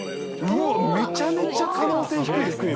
うおー、めちゃめちゃ可能性低いですね。